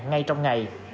ngay trong ngày